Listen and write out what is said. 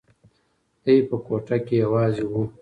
دی په کوټه کې یوازې و.